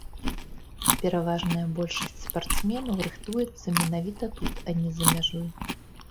Пераважная большасць спартсменаў рыхтуецца менавіта тут, а не за мяжой.